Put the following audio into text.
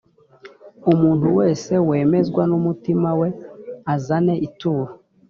umuntu wese wemezwa n’umutima we azane ituro